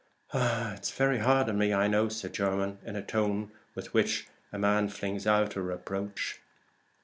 "It's very hard on me, I know," said Jermyn, in the tone with which a man flings out a reproach.